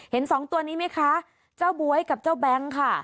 สองตัวนี้ไหมคะเจ้าบ๊วยกับเจ้าแบงค์ค่ะ